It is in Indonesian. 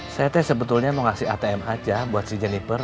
saya teh sebetulnya mau ngasih atm aja buat si jenniper